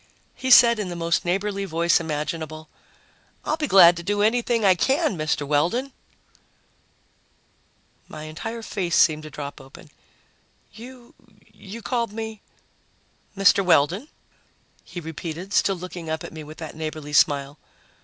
He said in the most neighborly voice imaginable, "I'll be glad to do anything I can, Mr. Weldon." My entire face seemed to drop open. "You you called me " "Mr. Weldon," he repeated, still looking up at me with that neighborly smile.